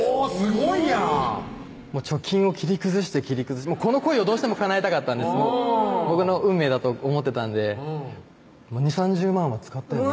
ごいやん貯金を切り崩して切り崩してこの恋をどうしてもかなえたかったんです僕の運命だと思ってたんで２０３０万は使ったよね